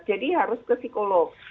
jadi harus ke psikolog